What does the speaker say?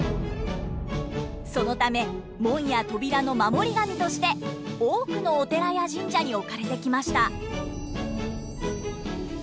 そのため門や扉の守り神として多くのお寺や神社に置かれてきました。